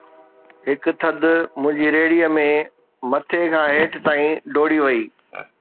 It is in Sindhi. هڪ ٿڌ منهنجي ريڙهيءَ ۾ مٿي کان هيٺ تائين ڊوڙي وئي